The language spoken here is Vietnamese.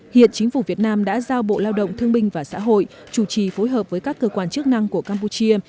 hiện chính phủ việt nam đã giao bộ lao động thương binh và xã hội chủ trì phối hợp với các cơ quan chức năng của campuchia